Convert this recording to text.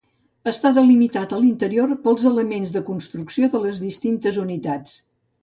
Està delimitat a l'interior pels elements de construcció de les distintes unitats.